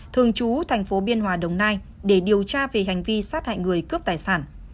thường trú thành phố biên hòa đồng nai để điều tra về hành vi sát hại người cướp tài sản